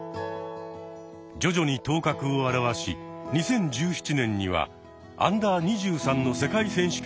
徐々に頭角を現し２０１７年にはＵ２３の世界選手権に出場。